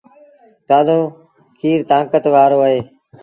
تآزو کير تآݩڪت وآرو اهي۔